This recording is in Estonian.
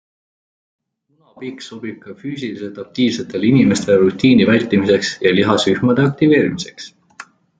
Munapiiks sobib ka füüsiliselt aktiivsetele inimestele rutiini vältimiseks ja lihasrühmade aktiveerimiseks.